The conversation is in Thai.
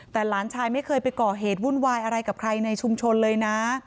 แต่หลานชายไม่เคยไปก่อเหตุวุ่นวายอะไรกับใครในชุมชนเลยนะ